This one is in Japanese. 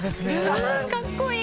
うんかっこいい！